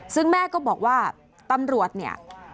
ซึ่งแม่ก็บอกว่าตำรวจเนี่ย